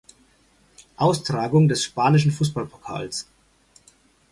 Austragung des spanischen Fußballpokals.